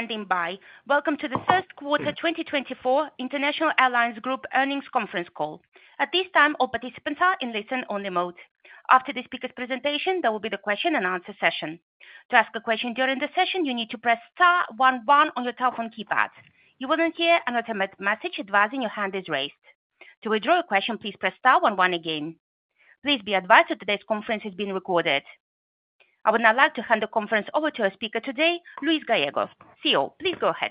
Standing by. Welcome to the Q1 2024 International Airlines Group Earnings Conference Call. At this time, all participants are in listen-only mode. After the speaker's presentation, there will be the question and answer session. To ask a question during the session, you need to press star one one on your telephone keypad. You will then hear an automated message advising your hand is raised. To withdraw your question, please press star one one again. Please be advised that today's conference is being recorded. I would now like to hand the conference over to our speaker today, Luis Gallego, CEO. Please go ahead.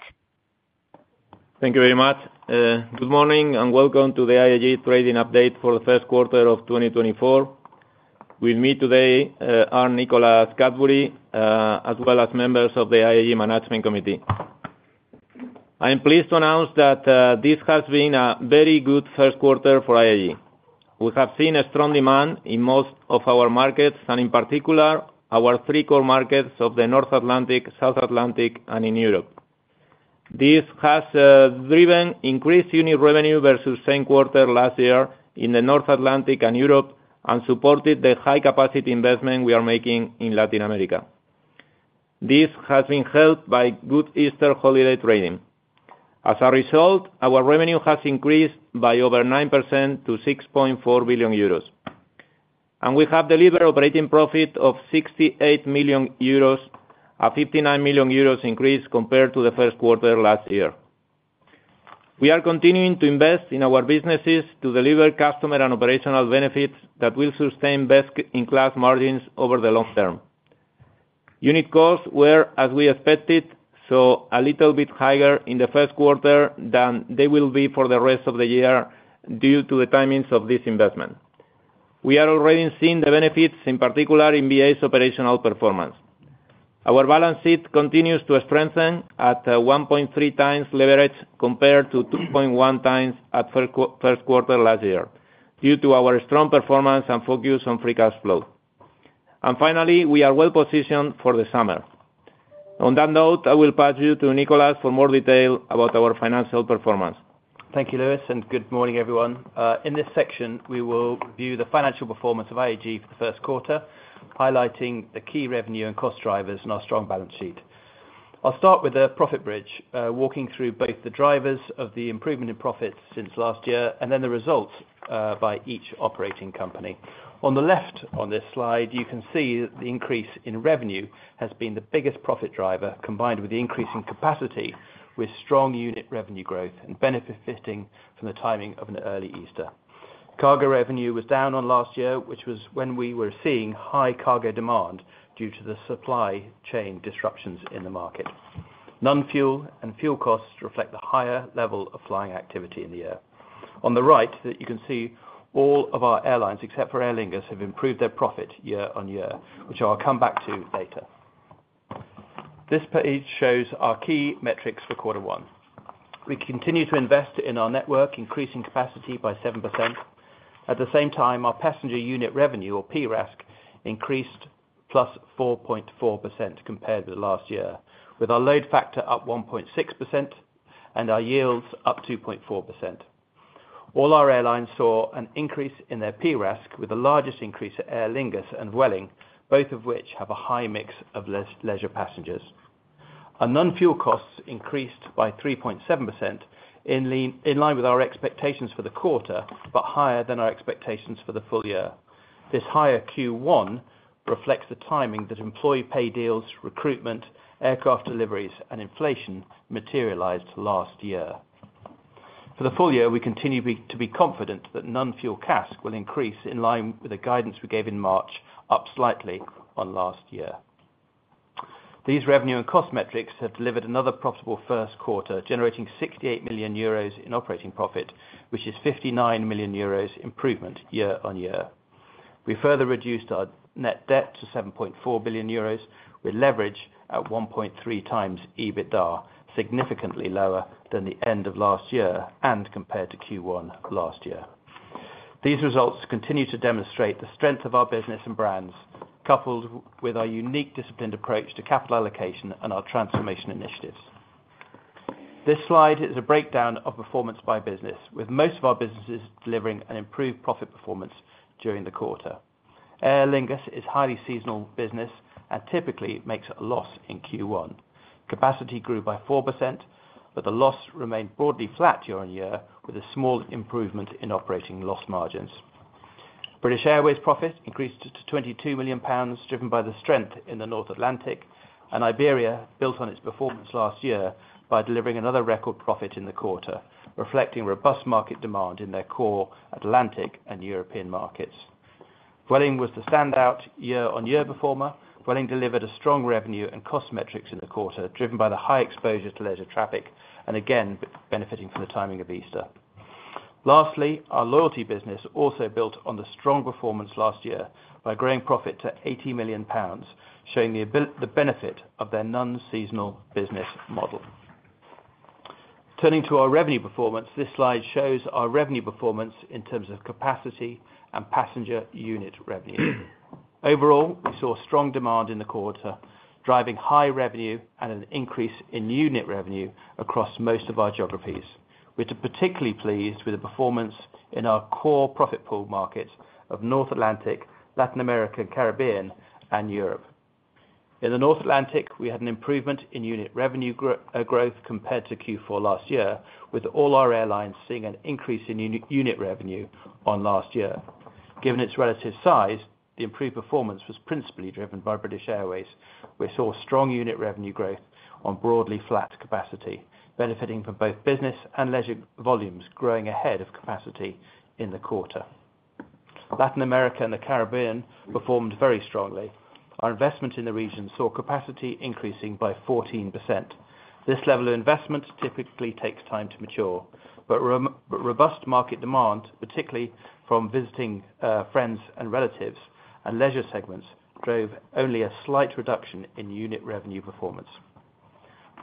Thank you very much. Good morning, and welcome to the IAG Trading Update for the Q1 of 2024. With me today are Nicholas Cadbury, as well as members of the IAG Management Committee. I am pleased to announce that this has been a very good Q1 for IAG. We have seen a strong demand in most of our markets, and in particular, our three core markets of the North Atlantic, South Atlantic, and in Europe. This has driven increased unit revenue versus same quarter last year in the North Atlantic and Europe, and supported the high capacity investment we are making in Latin America. This has been helped by good Easter holiday trading. As a result, our revenue has increased by over 9% to 6.4 billion euros, and we have delivered operating profit of 68 million euros, a 59 million euros increase compared to the Q1 last year. We are continuing to invest in our businesses to deliver customer and operational benefits that will sustain best-in-class margins over the long term. Unit costs were as we expected, so a little bit higher in the Q1 than they will be for the rest of the year due to the timings of this investment. We are already seeing the benefits, in particular in BA's operational performance. Our balance sheet continues to strengthen at 1.3x leverage, compared to 2.1x at Q1 last year, due to our strong performance and focus on free cash flow. Finally, we are well positioned for the summer. On that note, I will pass you to Nicholas for more detail about our financial performance. Thank you, Luis, and good morning, everyone. In this section, we will review the financial performance of IAG for the Q1, highlighting the key revenue and cost drivers and our strong balance sheet. I'll start with the profit bridge, walking through both the drivers of the improvement in profits since last year and then the results by each operating company. On the left, on this slide, you can see that the increase in revenue has been the biggest profit driver, combined with the increase in capacity, with strong unit revenue growth and benefiting from the timing of an early Easter. Cargo revenue was down on last year, which was when we were seeing high cargo demand due to the supply chain disruptions in the market. Non-fuel and fuel costs reflect the higher level of flying activity in the year. On the right, you can see all of our airlines, except for Aer Lingus, have improved their profit year-on-year, which I'll come back to later. This page shows our key metrics for Q1. We continue to invest in our network, increasing capacity by 7%. At the same time, our passenger unit revenue, or PRASK, increased +4.4% compared to last year, with our load factor up 1.6% and our yields up 2.4%. All our airlines saw an increase in their PRASK, with the largest increase at Aer Lingus and Vueling, both of which have a high mix of leisure passengers. Our non-fuel costs increased by 3.7%, in line with our expectations for the quarter, but higher than our expectations for the full year. This higher Q1 reflects the timing that employee pay deals, recruitment, aircraft deliveries, and inflation materialized last year. For the full year, we continue to be confident that non-fuel CASK will increase in line with the guidance we gave in March, up slightly on last year. These revenue and cost metrics have delivered another profitable Q1, generating 68 million euros in operating profit, which is 59 million euros improvement year-on-year. We further reduced our net debt to 7.4 billion euros, with leverage at 1.3x EBITDA, significantly lower than the end of last year and compared to Q1 last year. These results continue to demonstrate the strength of our business and brands, coupled with our unique disciplined approach to capital allocation and our transformation initiatives. This slide is a breakdown of performance by business, with most of our businesses delivering an improved profit performance during the quarter. Aer Lingus is highly seasonal business and typically makes a loss in Q1. Capacity grew by 4%, but the loss remained broadly flat year-on-year, with a small improvement in operating loss margins. British Airways profit increased to 22 million pounds, driven by the strength in the North Atlantic, and Iberia built on its performance last year by delivering another record profit in the quarter, reflecting robust market demand in their core Atlantic and European markets. Vueling was the standout year-on-year performer. Vueling delivered a strong revenue and cost metrics in the quarter, driven by the high exposure to leisure traffic and again, benefiting from the timing of Easter. Lastly, our loyalty business also built on the strong performance last year by growing profit to 80 million pounds, showing the benefit of their non-seasonal business model. Turning to our revenue performance, this slide shows our revenue performance in terms of capacity and passenger unit revenue. Overall, we saw strong demand in the quarter, driving high revenue and an increase in unit revenue across most of our geographies. We're particularly pleased with the performance in our core profit pool markets of North Atlantic, Latin America, Caribbean, and Europe. In the North Atlantic, we had an improvement in unit revenue growth compared to Q4 last year, with all our airlines seeing an increase in unit revenue on last year. Given its relative size, the improved performance was principally driven by British Airways, which saw strong unit revenue growth on broadly flat capacity, benefiting from both business and leisure volumes growing ahead of capacity in the quarter. Latin America and the Caribbean performed very strongly. Our investment in the region saw capacity increasing by 14%. This level of investment typically takes time to mature, but robust market demand, particularly from visiting friends and relatives and leisure segments, drove only a slight reduction in unit revenue performance.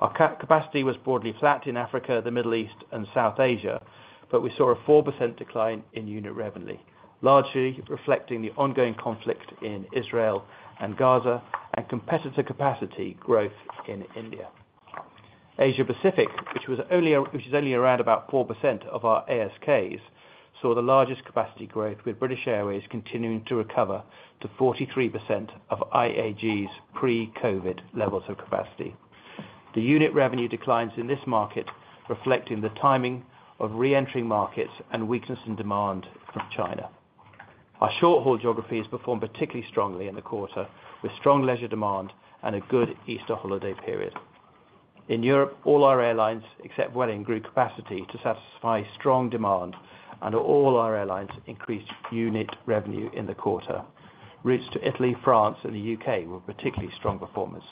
Our capacity was broadly flat in Africa, the Middle East, and South Asia, but we saw a 4% decline in unit revenue, largely reflecting the ongoing conflict in Israel and Gaza, and competitor capacity growth in India. Asia Pacific, which is only around about 4% of our ASKs, saw the largest capacity growth, with British Airways continuing to recover to 43% of IAG's pre-COVID levels of capacity. The unit revenue declines in this market, reflecting the timing of re-entering markets and weakness in demand from China. Our short-haul geographies performed particularly strongly in the quarter, with strong leisure demand and a good Easter holiday period. In Europe, all our airlines, except Vueling, grew capacity to satisfy strong demand, and all our airlines increased unit revenue in the quarter. Routes to Italy, France, and the UK were particularly strong performers.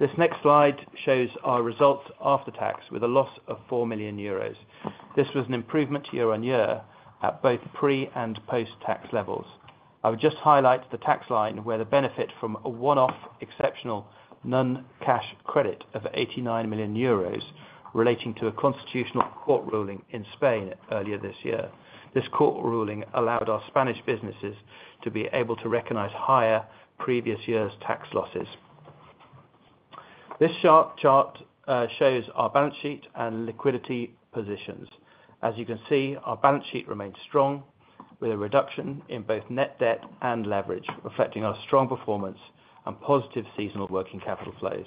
This next slide shows our results after tax, with a loss of 4 million euros. This was an improvement year-on-year at both pre- and post-tax levels. I would just highlight the tax line, where the benefit from a one-off exceptional non-cash credit of 89 million euros relating to a constitutional court ruling in Spain earlier this year. This court ruling allowed our Spanish businesses to be able to recognize higher previous year's tax losses. This chart shows our balance sheet and liquidity positions. As you can see, our balance sheet remains strong, with a reduction in both net debt and leverage, reflecting our strong performance and positive seasonal working capital flows.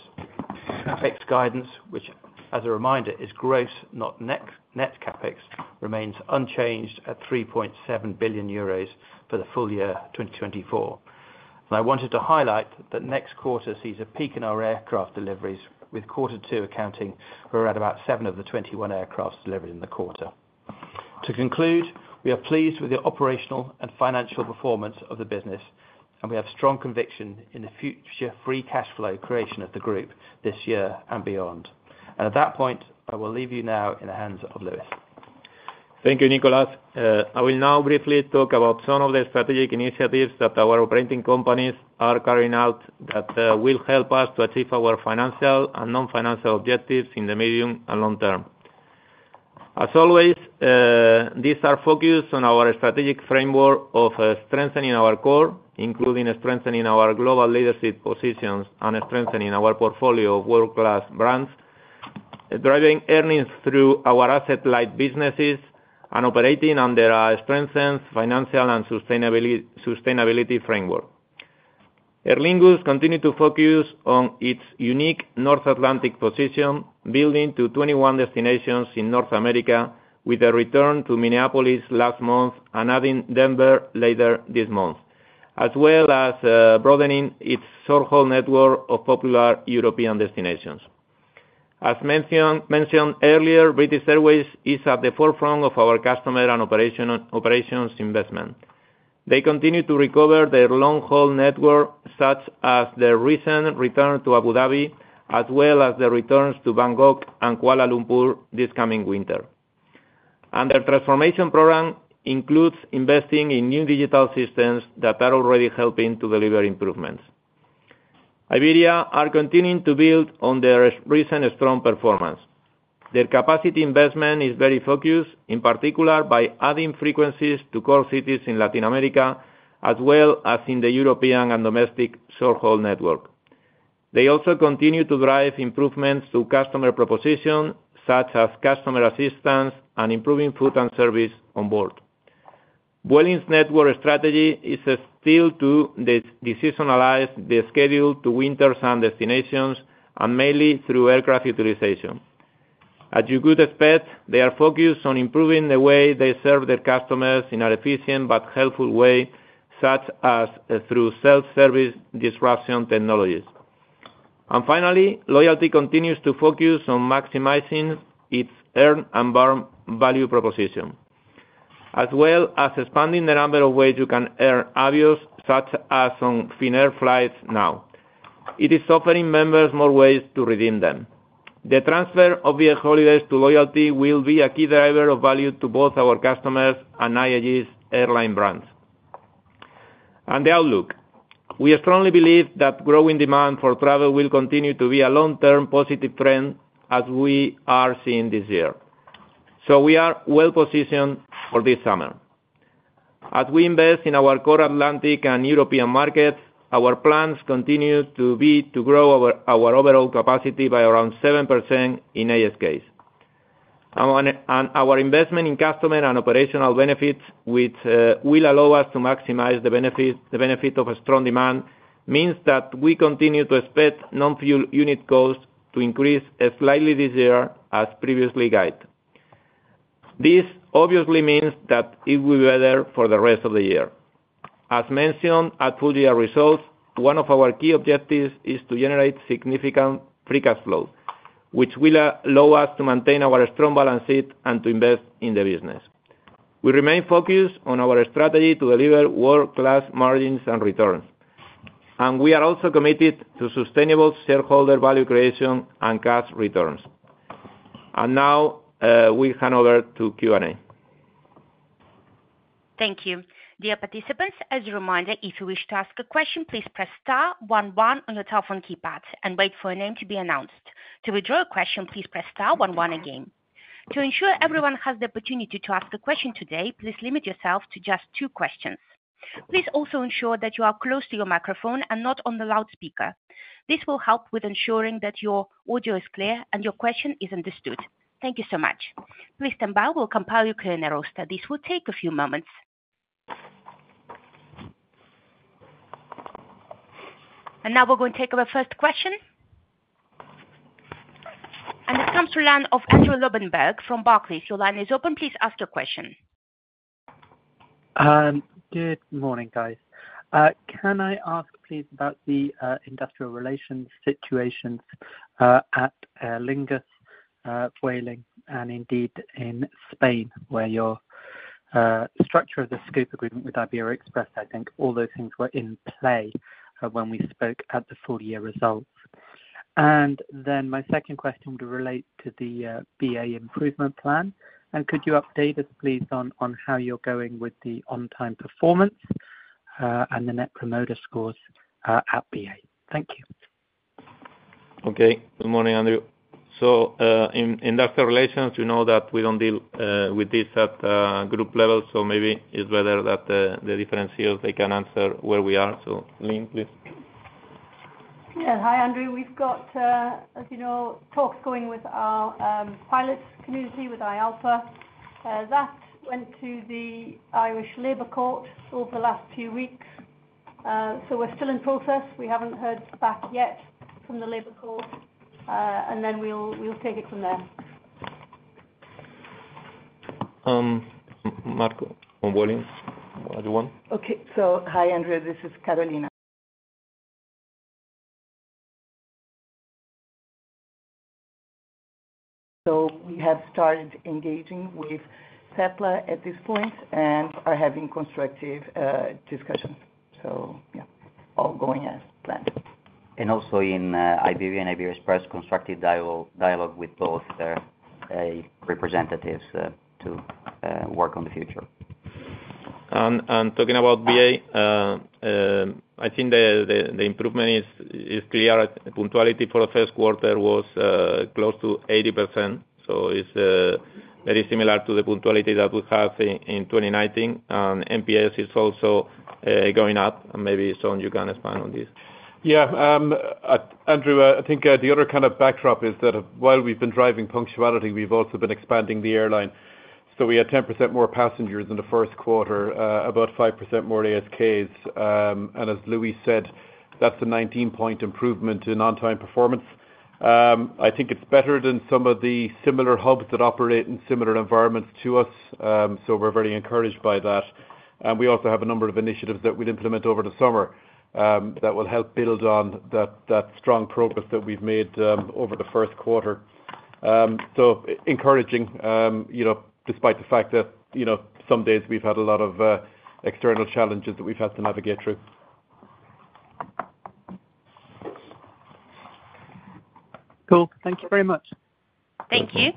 CapEx guidance, which, as a reminder, is gross, not net, net CapEx, remains unchanged at 3.7 billion euros for the full year 2024. I wanted to highlight that next quarter sees a peak in our aircraft deliveries, with quarter two accounting for around about seven of the 21 aircrafts delivered in the quarter. To conclude, we are pleased with the operational and financial performance of the business, and we have strong conviction in the future free cash flow creation of the group this year and beyond. At that point, I will leave you now in the hands of Luis. Thank you, Nicholas. I will now briefly talk about some of the strategic initiatives that our operating companies are carrying out that will help us to achieve our financial and non-financial objectives in the medium and long term. As always, these are focused on our strategic framework of strengthening our core, including strengthening our global leadership positions and strengthening our portfolio of world-class brands, driving earnings through our asset-light businesses, and operating under a strengthened financial and sustainability framework. Aer Lingus continued to focus on its unique North Atlantic position, building to 21 destinations in North America with a return to Minneapolis last month and adding Denver later this month, as well as broadening its short-haul network of popular European destinations. As mentioned earlier, British Airways is at the forefront of our customer and operations investment. They continue to recover their long-haul network, such as their recent return to Abu Dhabi, as well as the returns to Bangkok and Kuala Lumpur this coming winter. Their transformation program includes investing in new digital systems that are already helping to deliver improvements. Iberia are continuing to build on their recent strong performance. Their capacity investment is very focused, in particular, by adding frequencies to core cities in Latin America, as well as in the European and domestic short-haul network. They also continue to drive improvements to customer proposition, such as customer assistance and improving food and service on board. Vueling's network strategy is still to deseasonalize the schedule to winter sun destinations and mainly through aircraft utilization. As you could expect, they are focused on improving the way they serve their customers in an efficient but helpful way, such as through self-service disruption technologies. Finally, Loyalty continues to focus on maximizing its earn and burn value proposition, as well as expanding the number of ways you can earn Avios, such as on Finnair flights now. It is offering members more ways to redeem them. The transfer of the holidays to Loyalty will be a key driver of value to both our customers and IAG's airline brands. The outlook. We strongly believe that growing demand for travel will continue to be a long-term positive trend, as we are seeing this year, so we are well positioned for this summer. As we invest in our core Atlantic and European markets, our plans continue to be to grow our overall capacity by around 7% in ASKs. Our investment in customer and operational benefits, which will allow us to maximize the benefit, the benefit of a strong demand, means that we continue to expect non-fuel unit costs to increase slightly this year as previously guided. This obviously means that it will be better for the rest of the year. As mentioned, at full year results, one of our key objectives is to generate significant free cash flow, which will allow us to maintain our strong balance sheet and to invest in the business. We remain focused on our strategy to deliver world-class margins and returns, and we are also committed to sustainable shareholder value creation and cash returns. Now, we hand over to Q&A. Thank you. Dear participants, as a reminder, if you wish to ask a question, please press star one one on your telephone keypad and wait for your name to be announced. To withdraw a question, please press star one one again. To ensure everyone has the opportunity to ask a question today, please limit yourself to just two questions. Please also ensure that you are close to your microphone and not on the loudspeaker. This will help with ensuring that your audio is clear and your question is understood. Thank you so much. Please stand by. We'll compile your clear roster. This will take a few moments. Now we're going to take our first question. It comes to the line of Andrew Lobbenberg from Barclays. Your line is open. Please ask your question. Good morning, guys. Can I ask, please, about the industrial relations situations at Aer Lingus, Vueling, and indeed in Spain, where your structure of the scope agreement with Iberia Express, I think all those things were in play when we spoke at the full year results. Then my second question would relate to the BA improvement plan. Could you update us, please, on how you're going with the on-time performance and the net promoter scores at BA? Thank you. Okay. Good morning, Andrew. In industrial relations, you know, that we don't deal with this at group level, so maybe it's better that the different CEOs they can answer where we are. Lynne, please. Yeah. Hi, Andrew. We've got, as you know, talks going with our pilots community, with IALPA. That went to the Irish Labour Court over the last few weeks. So we're still in process. We haven't heard back yet from the Labour Court, and then we'll take it from there. Marco, or Vueling, another one? Okay. Hi, Andrew. This is Carolina. We have started engaging with SEPLA at this point and are having constructive discussions. Yeah, all going as planned. Also in Iberia and Iberia Express, constructive dialogue with both their representatives to work on the future. Talking about BA, I think the improvement is clear. Punctuality for the Q1 was close to 80%, so it's very similar to the punctuality that we had in 2019. NPS is also going up, and maybe, Sean, you can expand on this. Yeah. Andrew, I think, the other kind of backdrop is that while we've been driving punctuality, we've also been expanding the airline. We had 10% more passengers in the Q1, about 5% more ASKs. As Luis said, that's a 19-point improvement in on-time performance. I think it's better than some of the similar hubs that operate in similar environments to us. We're very encouraged by that. We also have a number of initiatives that we'll implement over the summer, that will help build on that, that strong progress that we've made, over the Q1. So encouraging, you know, despite the fact that, you know, some days we've had a lot of, external challenges that we've had to navigate through. Cool. Thank you very much. Thank you.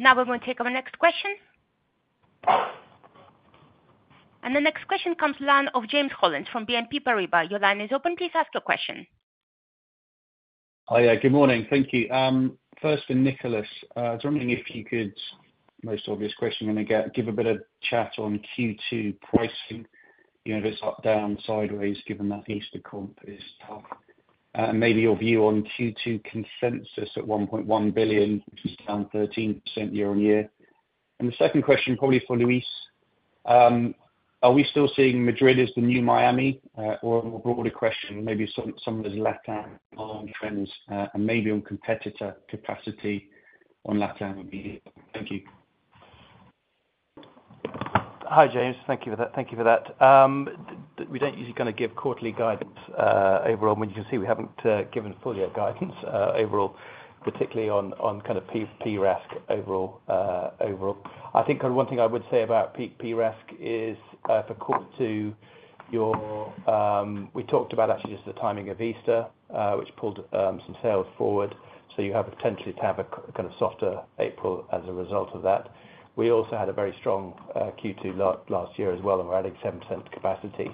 Now, we're going to take our next question. The next question comes from the line of James Hollins from BNP Paribas. Your line is open. Please ask your question. Hi, yeah, good morning. Thank you. First for Nicholas, I was wondering if you could, most obvious question I'm gonna get, give a bit of chat on Q2 pricing. You know, if it's up, down, sideways, given that Easter comp is tough. Maybe your view on Q2 consensus at 1.1 billion, which is down 13% year-on-year. The second question, probably for Luis. Are we still seeing Madrid as the new Miami? Or a broader question, maybe some of those Latam long trends, and maybe on competitor capacity on Latam would be. Thank you. Hi, James. Thank you for that. Thank you for that. We don't usually kind of give quarterly guidance overall. I mean, you can see we haven't given full year guidance overall, particularly on kind of PRASK overall, overall. I think one thing I would say about peak PRASK is for quarter two. We talked about actually just the timing of Easter, which pulled some sales forward, so you have a potentially to have kind of softer April as a result of that. We also had a very strong Q2 last year as well, and we're adding 7% capacity.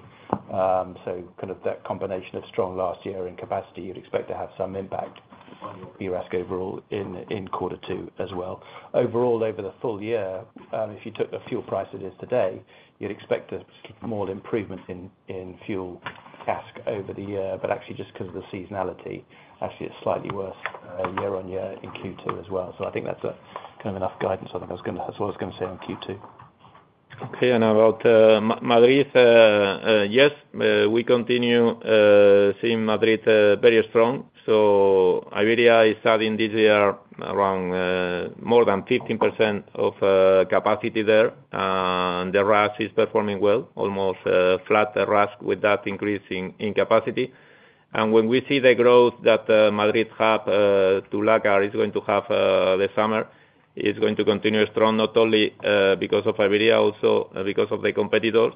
That combination of strong last year and capacity, you'd expect to have some impact on PRASK overall in Q2 as well. Overall, over the full year, if you took the fuel price it is today, you'd expect to see more improvement in fuel [PRASK] over the year, but actually just because of the seasonality. Actually, it's slightly worse year-on-year in Q2 as well. I think that's kind of enough guidance. I think I was gonna, that's what I was gonna say on Q2. Okay. About Madrid, yes, we continue seeing Madrid very strong. Iberia is starting this year around more than 15% of capacity there. The PRASK is performing well, almost flat PRASK with that increase in capacity. When we see the growth that Madrid have to Latin America or is going to have the summer, is going to continue strong, not only because of Iberia, also because of the competitors.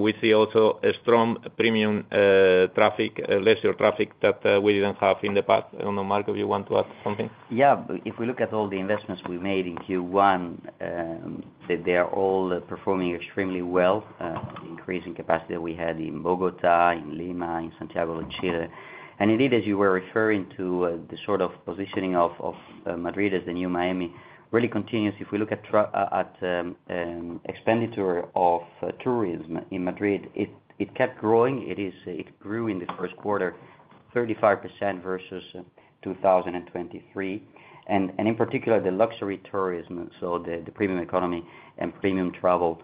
We see also a strong premium traffic, leisure traffic that we didn't have in the past. I don't know, Marco, if you want to add something? Yeah. If we look at all the investments we made in Q1, they are all performing extremely well, increasing capacity that we had in Bogotá, in Lima, in Santiago and Chile. Indeed, as you were referring to, the sort of positioning of Madrid as the new Miami really continues. If we look at expenditure of tourism in Madrid, it kept growing. It is, it grew in the Q1, 35% versus 2023,and in particular, the luxury tourism. The premium economy and premium travel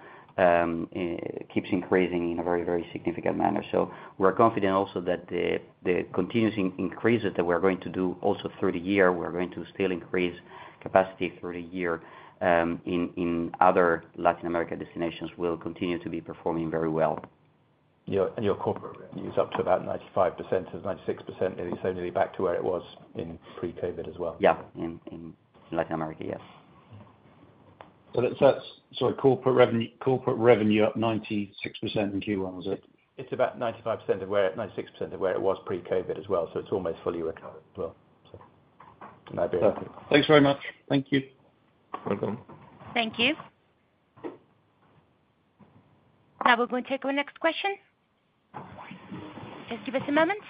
keeps increasing in a very, very significant manner. We're confident also that the continuing increases that we're going to do also through the year, we're going to still increase capacity through the year. In other Latin America destinations, will continue to be performing very well. Yeah, and your corporate revenue is up to about 95% to 96%, and it's nearly back to where it was in pre-COVID as well. Yeah. In Latin America, yes. Corporate revenue, corporate revenue up 96% in Q1, was it? It's about 95% of where, 96% of where it was pre-COVID as well, so it's almost fully recovered as well, so in Iberia. Perfect. Thanks very much. Thank you. Welcome. Thank you. Now, we're going to take our next question. Just give us a moment.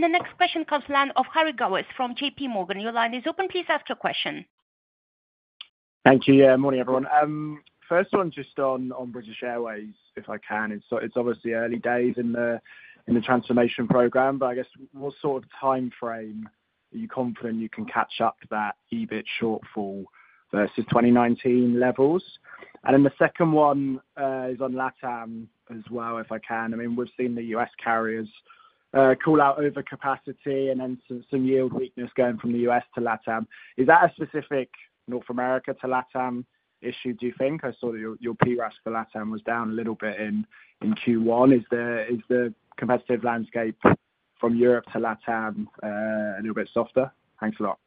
The next question comes from the line of Harry Gowers from JP Morgan. Your line is open. Please ask your question. Thank you. Yeah, morning, everyone. First one, just on British Airways, if I can. It's obviously early days in the transformation program, but I guess, what sort of timeframe are you confident you can catch up to that EBIT shortfall versus 2019 levels? Then the second one is on LATAM as well, if I can. I mean, we've seen the US carriers call out overcapacity and then some yield weakness going from the US to LATAM. Is that a specific North America to LATAM issue, do you think? I saw that your PRASK for LATAM was down a little bit in Q1. Is the competitive landscape from Europe to LATAM a little bit softer? Thanks a lot.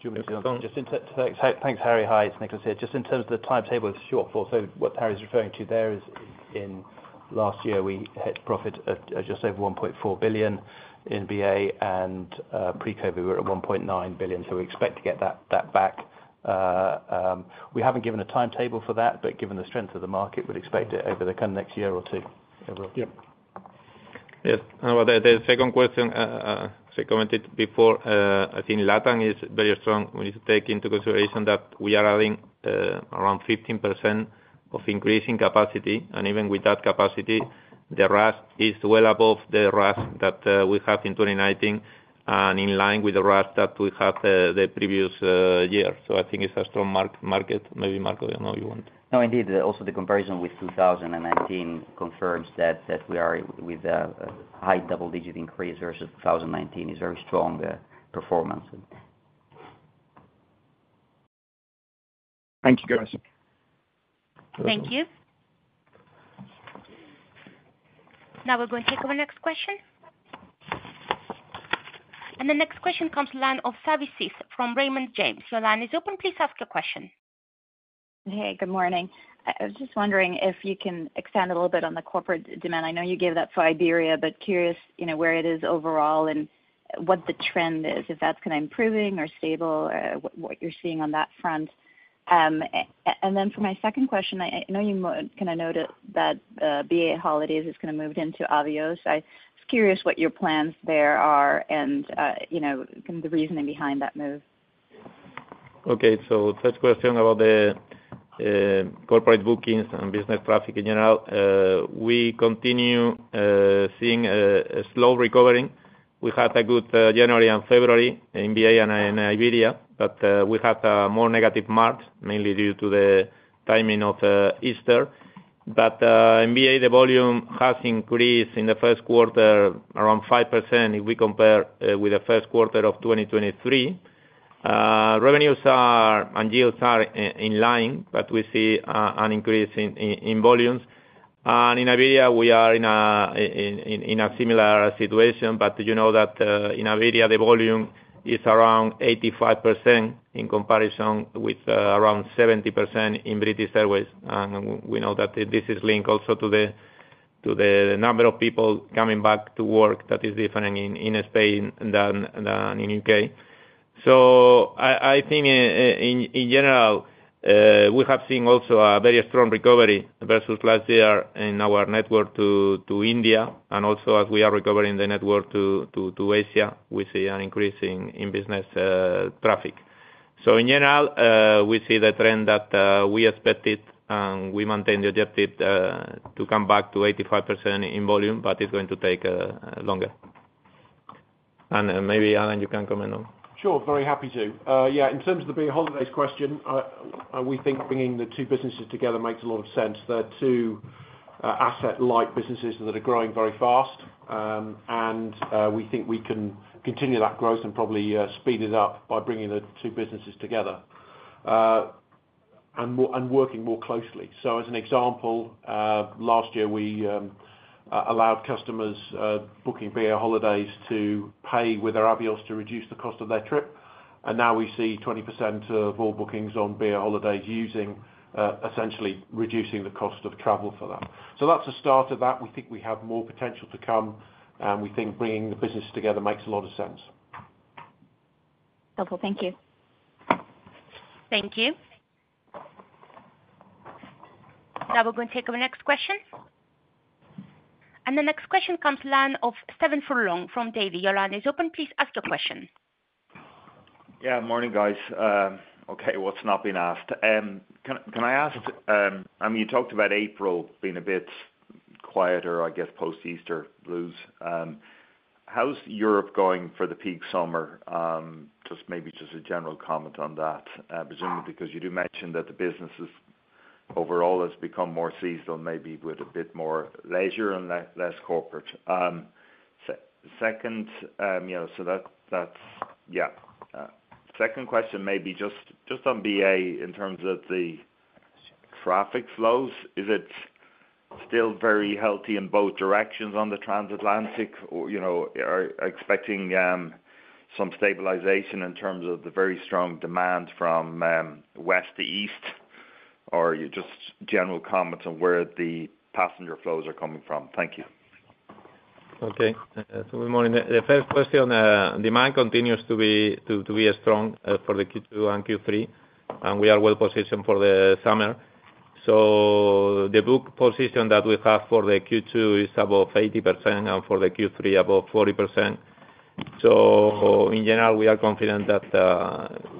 Do you want me to- Go on. Thanks, Harry. Hi, it's Nicholas here. Just in terms of the timetable shortfall, so what Harry's referring to there is, in last year, we had profit at just over 1.4 billion in BA, and pre-COVID, we were at 1.9 billion so we expect to get that back. We haven't given a timetable for that, but given the strength of the market, we'd expect it over the coming next year or two. Yes. Well, the, the second question, as I commented before, I think LATAM is very strong. We need to take into consideration that we are adding, around 15% of increasing capacity and even with that capacity, the PRASK is well above the PRASK that, we had in 2019 and in line with the PRASK that we had, the previous, year. So I think it's a strong market. Maybe Marco, I don't know, you want? No, indeed. Also, the comparison with 2019 confirms that we are with a high double-digit increase versus 2019 that is very strong performance. Thank you, guys. Thank you. Now, we're going to take our next question. The next question comes from the line of Savanthi Syth from Raymond James. Your line is open. Please ask your question. Hey, good morning. I was just wondering if you can expand a little bit on the corporate demand. I know you gave that for Iberia, but curious, you know, where it is overall and what the trend is, if that's kind of improving or stable, what you're seeing on that front. Then for my second question, I know you kind of noted that, BA holidays is kind of moved into Avios. I was curious what your plans there are and, you know, the reasoning behind that move. Okay. First question about the corporate bookings and business traffic in general. We continue seeing a slow recovery. We had a good January and February in BA and in Iberia, but we had a more negative March, mainly due to the timing of Easter. But in BA, the volume has increased in the Q1 around 5% if we compare with the Q1 of 2023. Revenues are and yields are in line, but we see an increase in volumes. In Iberia, we are in a similar situation. But you know that in Iberia, the volume is around 85%, in comparison with around 70% in British Airways. We know that this is linked also to the number of people coming back to work that is different in Spain than in U.K. I think in general we have seen also a very strong recovery versus last year in our network to India. Also, as we are recovering the network to Asia, we see an increase in business traffic. In general we see the trend that we expected, and we maintain the objective to come back to 85% in volume, but it's going to take longer. Then maybe, Alan, you can comment on? Sure, very happy to. Yeah, in terms of the BA Holidays question, we think bringing the two businesses together makes a lot of sense. They're two asset-light businesses that are growing very fast. We think we can continue that growth and probably speed it up by bringing the two businesses together. Working more closely. As an example, last year, we allowed customers booking BA holidays to pay with their Avios to reduce the cost of their trip and now we see 20% of all bookings on BA holidays using essentially reducing the cost of travel for that. That's the start of that. We think we have more potential to come, and we think bringing the business together makes a lot of sense. Okay, thank you. Thank you. Now we're going to take our next question. The next question comes from the line of Stephen Furlong from Davy. Your line is open. Please ask your question. Yeah. Morning, guys. Okay, what's not been asked? Can I ask, I mean, you talked about April being a bit quieter, I guess, post-Easter blues. How's Europe going for the peak summer? Just maybe a general comment on that, presumably because you do mention that the businesses overall has become more seasonal, maybe with a bit more leisure and less corporate. Second, you know, so that's... Yeah. Second question may be just on BA in terms of the traffic flows. Is it still very healthy in both directions on the transatlantic? Or, you know, are expecting some stabilization in terms of the very strong demand from west to east? Or just general comments on where the passenger flows are coming from? Thank you. Okay. Good morning. The first question, demand continues to be strong for the Q2 and Q3, and we are well positioned for the summer. The book position that we have for the Q2 is above 80%, and for the Q3, above 40%. In general, we are confident that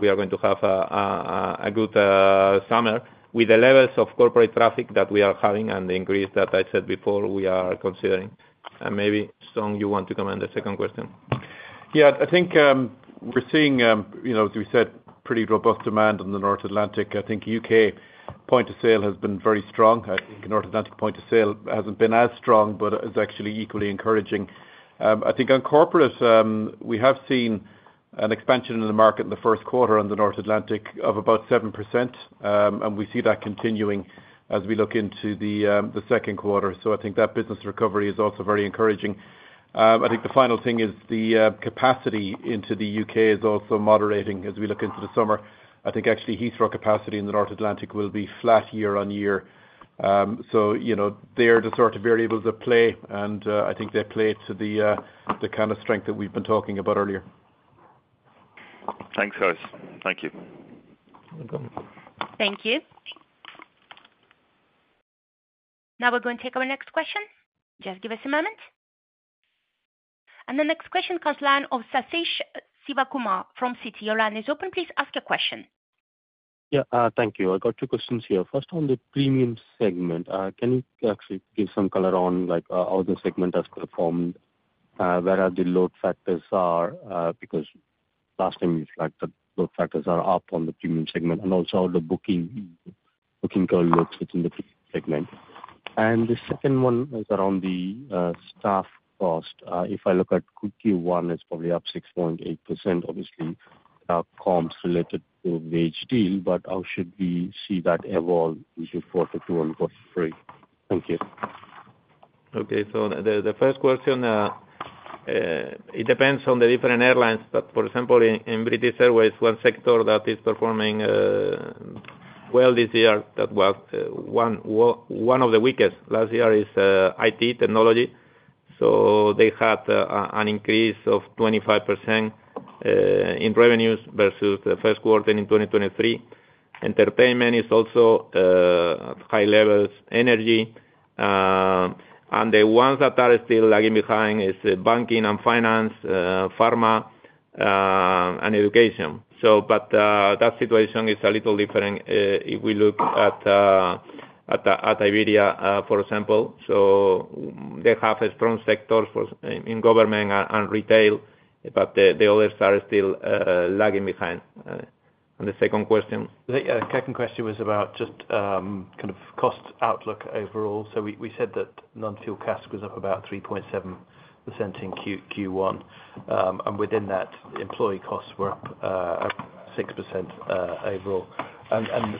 we are going to have a good summer with the levels of corporate traffic that we are having and the increase that I said before, we are considering. Maybe, Sean, you want to comment on the second question? Yeah, I think, we're seeing, you know, as we said, pretty robust demand in the North Atlantic. I think U.K. point of sale has been very strong. I think North Atlantic point of sale hasn't been as strong, but is actually equally encouraging. I think on corporate, we have seen an expansion in the market in the Q1 on the North Atlantic of about 7%. We see that continuing as we look into the second quarter. I think that business recovery is also very encouraging. I think the final thing is the capacity into the U.K. is also moderating as we look into the summer. I think actually Heathrow capacity in the North Atlantic will be flat year-on-year. You know, they are the sort of variables at play, and I think they play to the kind of strength that we've been talking about earlier. Thanks, guys. Thank you. Thank you. Now we're going to take our next question. Just give us a moment. The next question comes line of Sathish Sivakumar from Citi. Your line is open. Please ask your question. Yeah, thank you. I've got two questions here. First, on the premium segment, can you actually give some color on, like, how the segment has performed, where are the load factors are? Because last time it's like the load factors are up on the premium segment, and also how the booking, booking curve looks within the premium segment. The second one is around the staff cost. If I look at Q1, it's probably up 6.8%, obviously, comps related to the wage deal, but how should we see that evolve into Q2 and Q3? Thank you. Okay, the first question, it depends on the different airlines. But for example, in British Airways, one sector that is performing well this year, that was one of the weakest last year is IT, technology. They had an increase of 25% in revenues versus the Q1 in 2023. Entertainment is also high levels, energy, and the ones that are still lagging behind is banking and finance, pharma, and education. But, that situation is a little different if we look at Iberia, for example. They have a strong sector for in government and retail, but the others are still lagging behind. The second question? The second question was about just kind of cost outlook overall. We said that non-fuel CASK was up about 3.7% in Q1. Within that, employee costs were up 6% overall and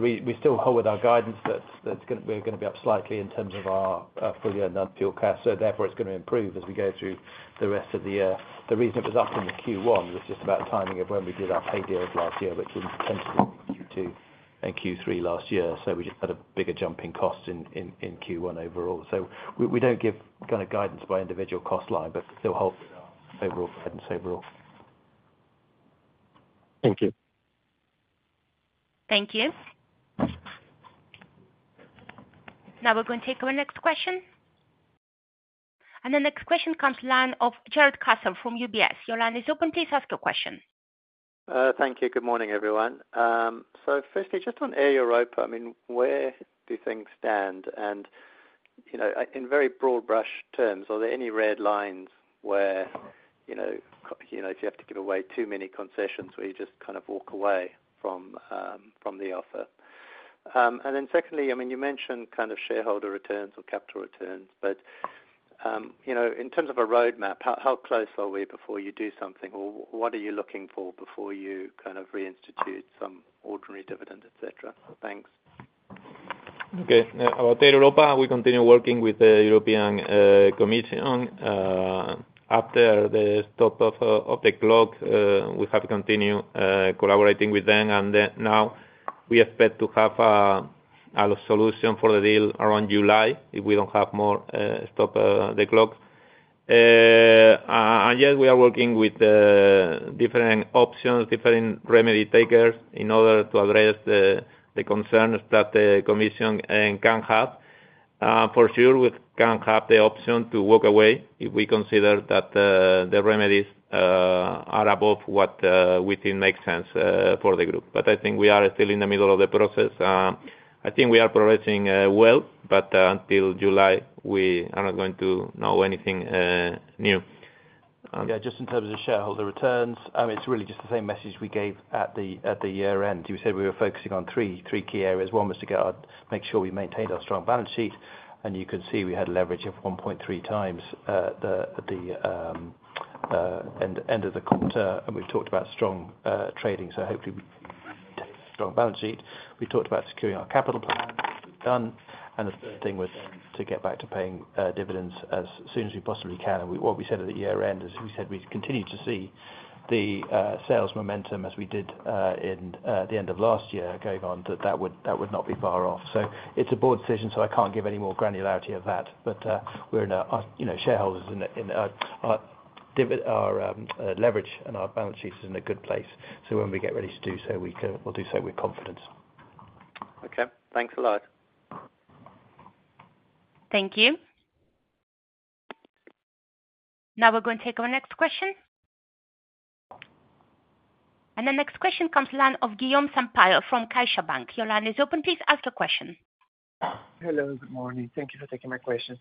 we still hold our guidance that we're gonna be up slightly in terms of our full year non-fuel CASK. Therefore, it's gonna improve as we go through the rest of the year. The reason it was up in the Q1 was just about the timing of when we did our pay deals last year, which was potentially Q2 and Q3 last year so we just had a bigger jump in cost in Q1 overall. We don't give kind of guidance by individual cost line, but still hold our overall guidance overall. Thank you. Thank you. Now we're going to take our next question. The next question comes from the line of Jarrod Castle from UBS. Your line is open. Please ask your question. .Thank you. Good morning, everyone. Firstly, just on Air Europa, I mean, where do things stand? You know, in very broad brush terms, are there any red lines where, you know, if you have to give away too many concessions, where you just kind of walk away from, from the offer? Then secondly, I mean, you mentioned kind of shareholder returns or capital returns, but, you know, in terms of a roadmap, how close are we before you do something? Or what are you looking for before you kind of reinstitute some ordinary dividend, et cetera? Thanks. Okay. Air Europa, we continue working with the European Commission. After the stop of the clock, we have to continue collaborating with them, and then now we expect to have a solution for the deal around July, if we don't have more stop the clock. Yes, we are working with different options, different remedy takers, in order to address the concerns that the Commission can have. For sure, we can have the option to walk away if we consider that the remedies are above what we think makes sense for the group. But I think we are still in the middle of the process. I think we are progressing well, but until July, we are not going to know anything new. Yeah, just in terms of shareholder returns, it's really just the same message we gave at the year-end. We said we were focusing on three key areas. One was to make sure we maintained our strong balance sheet, and you can see we had leverage of 1.3 times at the end of the quarter, and we've talked about strong trading, so hopefully we take a strong balance sheet. We talked about securing our capital plan, done. The third thing was to get back to paying dividends as soon as we possibly can. What we said at the year-end is we said we'd continue to see the sales momentum as we did in the end of last year going on, that would not be far off. It's a board decision, so I can't give any more granularity of that. But, we're in a you know shareholders in our leverage and our balance sheet is in a good place, so when we get ready to do so, we'll do so with confidence. Okay. Thanks a lot. Thank you. Now we're going to take our next question. The next question comes the line of Guillaume Sampaille from CaixaBank. Your line is open, please ask your question. Hello, good morning. Thank you for taking my question.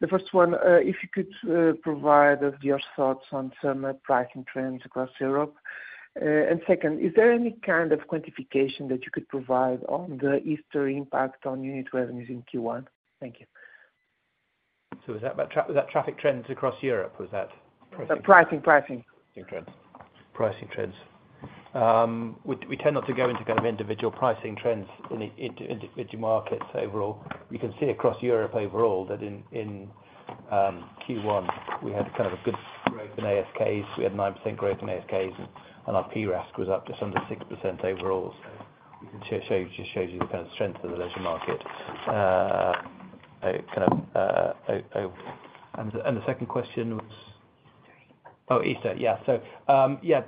The first one, if you could, provide us your thoughts on some pricing trends across Europe? Second, is there any kind of quantification that you could provide on the Easter impact on unit revenues in Q1? Thank you. Is that about traffic trends across Europe, was that? Pricing, pricing. Pricing trends. We tend not to go into kind of individual pricing trends in the, into individual markets overall. We can see across Europe overall, that in, in Q1, we had kind of a good growth in ASKs. We had 9% growth in ASKs, and our PRASK was up just under 6% overall. Just shows you, just shows you the kind of strength of the leisure market. The second question was? Easter. Oh, Easter. Yeah.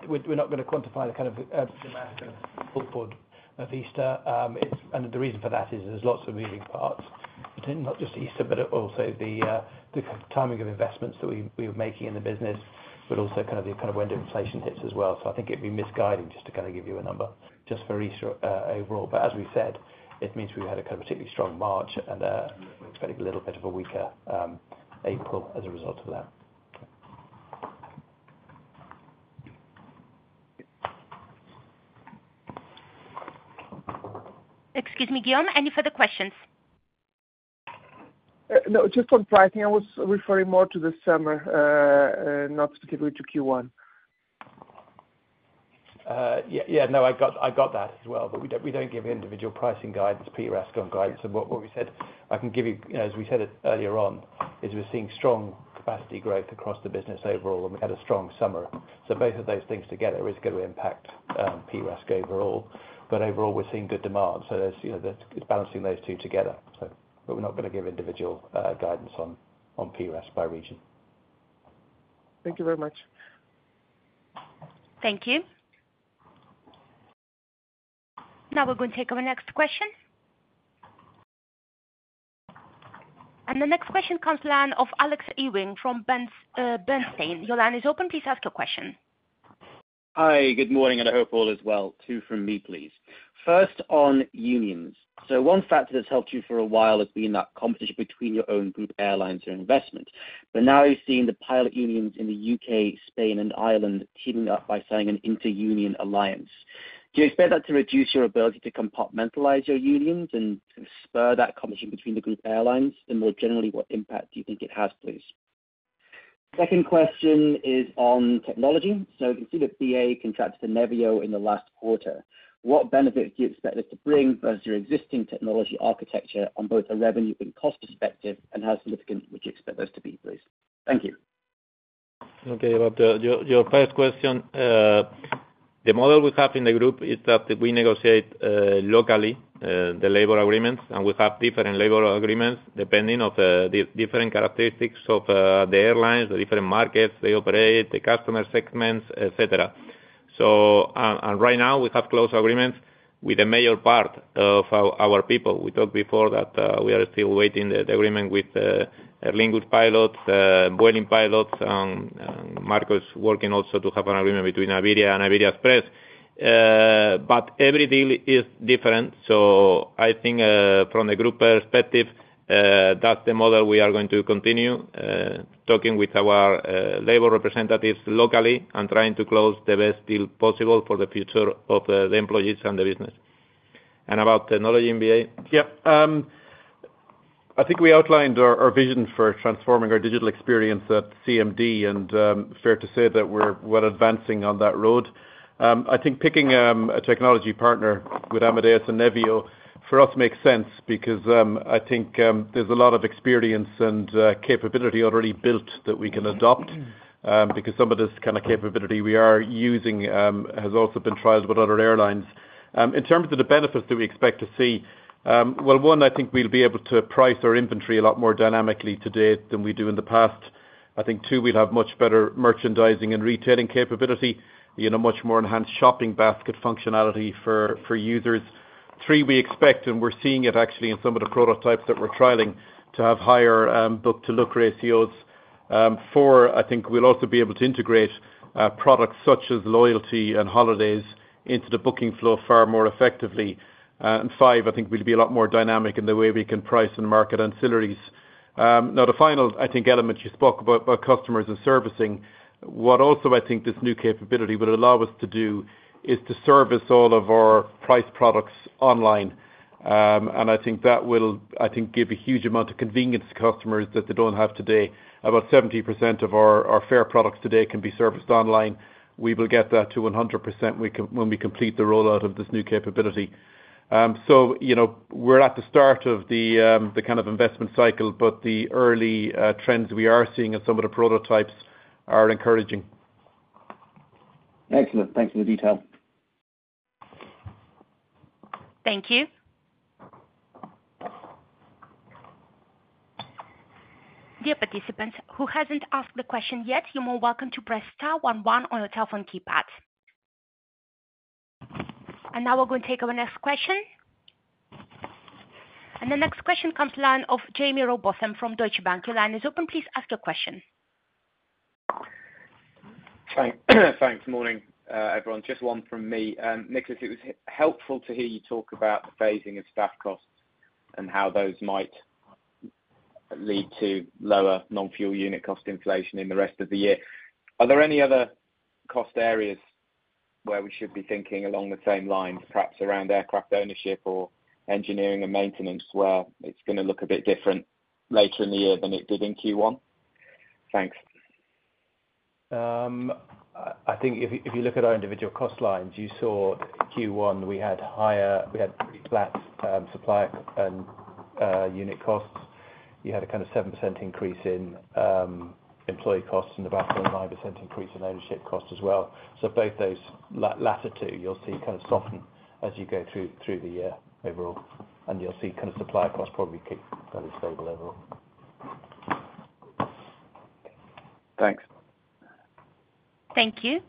We're not going to quantify the kind of demand going forward of Easter and the reason for that is there's lots of moving parts, between not just Easter, but it also the timing of investments that we were making in the business, but also kind of the kind of when deflation hits as well. I think it'd be misguiding just to kind of give you a number just for Easter, overall. But as we've said, it means we had a particularly strong March and, maybe a little bit of a weaker April as a result of that. Excuse me, Guillaume, any further questions? No, just on pricing, I was referring more to the summer, not specifically to Q1. I got, that as well, but we don't give individual pricing guidance, PRASK on guidance, it's about what we said, I can give you, as we said it earlier on, is we're seeing strong capacity growth across the business overall, and we had a strong summer. Both of those things together is going to impact PRASK overall. But overall, we're seeing good demand, so you know, that it's balancing those two together. But we're not going to give individual guidance on PRASK by region. Thank you very much. Thank you. Now we're going to take our next question. The next question comes from the line of Alex Irving from Bernstein. Your line is open, please ask your question. Hi, good morning, and I hope all is well. Two from me, please. First, on unions. One factor that's helped you for a while has been that competition between your own group airlines or investments. But now you're seeing the pilot unions in the UK, Spain, and Ireland teaming up by signing an inter-union alliance. Do you expect that to reduce your ability to compartmentalize your unions, and spur that competition between the group airlines and more generally, what impact do you think it has, please? Second question is on technology. You can see that BA contracted Navitaire in the last quarter. What benefits do you expect this to bring versus your existing technology architecture on both a revenue and cost perspective, and how significant would you expect those to be, please? Thank you. Okay, about your first question, the model we have in the group is that we negotiate locally the labour agreements, and we have different labour agreements depending on the different characteristics of the airlines, the different markets they operate, the customer segments, et cetera. Right now we have close agreements with the major part of our people. We talked before that we are still waiting the agreement with Aer Lingus pilots, Vueling pilots, and Marco working also to have an agreement between Iberia and Iberia Express. Every deal is different so I think from a group perspective, that's the model we are going to continue talking with our labour representatives locally and trying to close the best deal possible for the future of the employees and the business. About technology in BA? Yeah. I think we outlined our, our vision for transforming our digital experience at CMD, and fair to say that we're well advancing on that road. I think picking a technology partner with Amadeus and Nevio, for us, makes sense because I think there's a lot of experience and capability already built that we can adopt because some of this kind of capability we are using has also been tried with other airlines. In terms of the benefits that we expect to see, well, one, I think we'll be able to price our inventory a lot more dynamically today than we do in the past. I think, two, we'll have much better merchandising and retailing capability, you know, much more enhanced shopping basket functionality for users. Three, we expect, and we're seeing it actually in some of the prototypes that we're trialing, to have higher book-to-look ratios. Four, I think we'll also be able to integrate products such as loyalty and holidays into the booking flow far more effectively. Five, I think we'll be a lot more dynamic in the way we can price and market ancillaries. Now, the final, I think, element you spoke about, about customers and servicing, what also I think this new capability will allow us to do is to service all of our price products online. I think that will give a huge amount of convenience to customers that they don't have today. About 70% of our fare products today can be serviced online. We will get that to 100% when we complete the rollout of this new capability. We're at the start of the kind of investment cycle, but the early trends we are seeing in some of the prototypes are encouraging. Excellent. Thanks for the detail. Thank you. Dear participants, who hasn't asked the question yet, you're more welcome to press star one one on your telephone keypad. Now we're going to take our next question. The next question comes the line of Jaime Rowbotham from Deutsche Bank. Your line is open. Please ask your question. Thanks. Morning, everyone. Just one from me. Nicholas, it was helpful to hear you talk about the phasing of staff costs and how those might lead to lower non-fuel unit cost inflation in the rest of the year. Are there any other cost areas where we should be thinking along the same lines, perhaps around aircraft ownership or engineering and maintenance, where it's gonna look a bit different later in the year than it did in Q1? Thanks. I think if you look at our individual cost lines, you saw Q1, we had pretty flat supply and unit costs. You had a kind of 7% increase in employee costs and about a 9% increase in ownership costs as well. Both those latter two, you'll see kind of soften as you go through the year overall, and you'll see kind of supply costs probably keep fairly stable overall. Thanks. Thank you.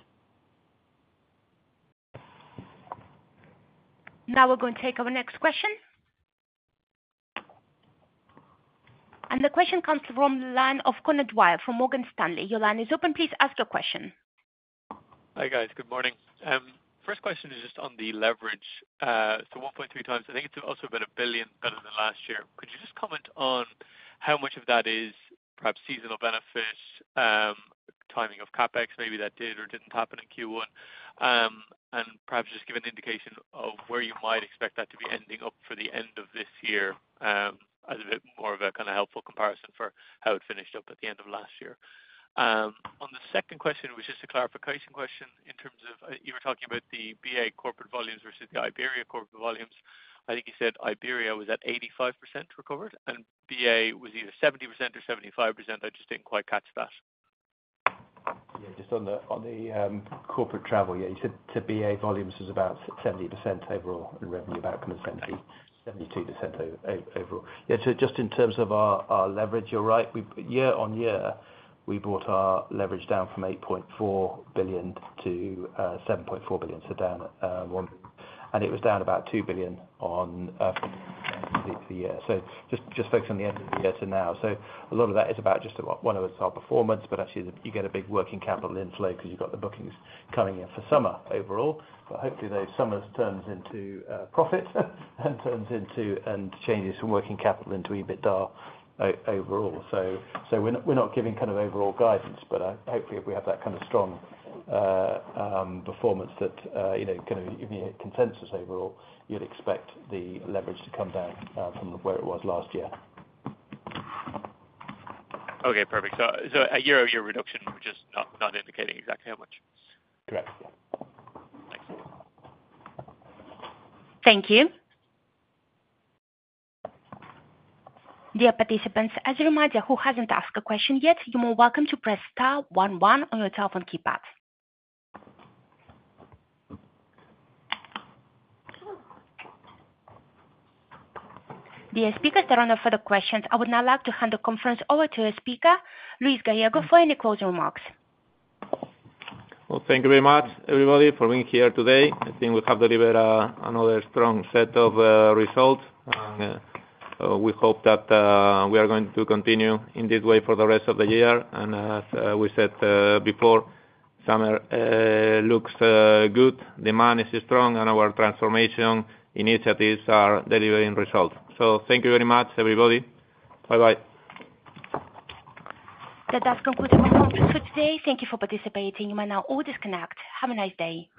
Now we're going to take our next question. The question comes from the line of Conor Dwyer from Morgan Stanley. Your line is open. Please ask your question. Hi, guys. Good morning. First question is just on the leverage. So 1.3x, I think it's also about 1 billion better than last year. Could you just comment on how much of that is perhaps seasonal benefit, timing of CapEx, maybe that did or didn't happen in Q1? Perhaps just give an indication of where you might expect that to be ending up for the end of this year, as a bit more of a kind of helpful comparison for how it finished up at the end of last year. On the second question, which is a clarification question in terms of, you were talking about the BA corporate volumes versus the Iberia corporate volumes. I think you said Iberia was at 85% recovered and BA was either 70% or 75%. I just didn't quite catch that. Yeah, just on the, on the corporate travel, yeah, you said to BA volumes was about 70% overall, and revenue outcome essentially 72% overall. Yeah, so just in terms of our, our leverage, you're right. Year on year, we brought our leverage down from 8.4 to 7.4 billion, so down one. It was down about 2 billion on complete the year. Just focus on the end of the year to now. A lot of that is about just about one of it's our performance, but actually you get a big working capital inflow because you've got the bookings coming in for summer overall. But hopefully, the summer turns into profit and turns into, and changes from working capital into EBITDA overall. We're not giving kind of overall guidance, but hopefully, if we have that kind of strong performance that you know, kind of give me a consensus overall, you'd expect the leverage to come down from where it was last year. Okay, perfect. A year-on-year reduction, we're just not indicating exactly how much? Correct. Thanks. Thank you. Dear participants, as a reminder, who hasn't asked a question yet, you are more welcome to press star one one on your telephone keypad. The speakers are on for further questions. I would now like to hand the conference over to our speaker, Luis Gallego, for any closing remarks. Well, thank you very much, everybody, for being here today. I think we have delivered another strong set of results. We hope that we are going to continue in this way for the rest of the year. As we said before, summer looks good. Demand is strong, and our transformation initiatives are delivering results. Thank you very much, everybody. Bye-bye. That does conclude our conference for today. Thank you for participating. You may now all disconnect. Have a nice day.